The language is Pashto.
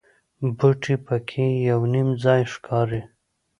بوټي په کې یو نیم ځای ښکاري.